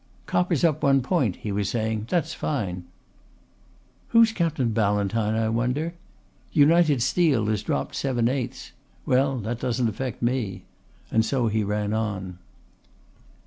"Copper's up one point," he was saying, "that's fine. Who's Captain Ballantyne, I wonder? United Steel has dropped seven eighths. Well, that doesn't affect me," and so he ran on.